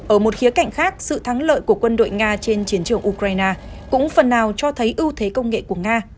ở một khía cạnh khác sự thắng lợi của quân đội nga trên chiến trường ukraine cũng phần nào cho thấy ưu thế công nghệ của nga